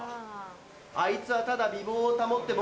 あいつはただ。